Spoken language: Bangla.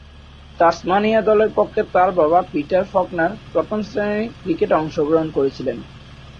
তাসমানিয়া দলের পক্ষে তার বাবা পিটার ফকনার প্রথম-শ্রেণীর ক্রিকেটে অংশগ্রহণ করেছিলেন।